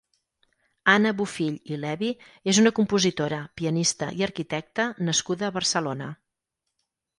Anna Bofill i Levi és una compositora, pianista i arquitecta nascuda a Barcelona.